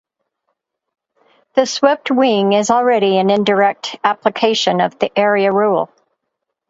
The swept wing is already an indirect application of the area rule.